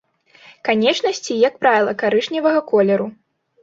Канечнасці, як правіла, карычневага колеру.